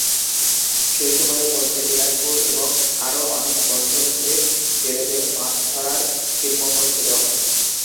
সেই সময়ের মধ্যে বিলাসপুর এবং আরো অনেক বছর ধরে জেলেদের মাছ ধরার ছিটমহল ছিল।